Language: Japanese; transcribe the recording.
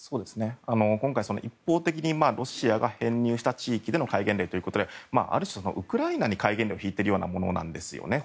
今回、一方的にロシアが編入した地域での戒厳令ということである種、ウクライナに戒厳令を敷いているようなものなんですね。